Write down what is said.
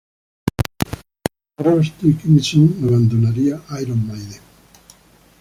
Bruce Dickinson abandonaría Iron Maiden.